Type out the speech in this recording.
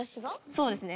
そうですね。